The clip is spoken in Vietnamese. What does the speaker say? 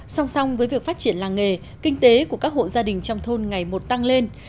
song song với việc phát triển làng nghề kinh tế của các hộ gia đình trong thôn ngày một tăng lên